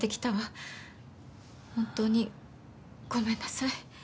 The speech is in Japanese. ホントにごめんなさい。